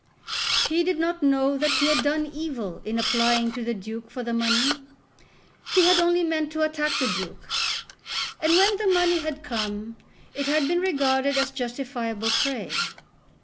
He did not know that he had done evil in applying to the Duke for the money. He had only meant to attack the Duke; and when the money had come it had been regarded as justifiable prey.